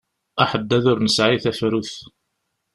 Aḥeddad ur nesɛi tafrut.